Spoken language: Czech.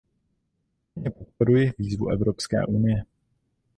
Plně podporuji výzvu Evropské unie.